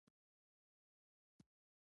اقلیم د افغان کلتور سره تړاو لري.